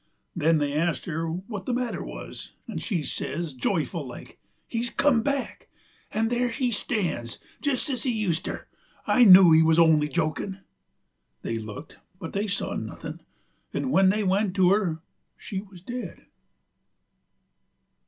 Then they asked her what the matter wuz, and she says, joyful like: "He's come back, and there he stan's jest as he used ter: I knew he wuz only jokin'!" They looked, but they saw nuthin'; 'nd when they went to her she wuz dead.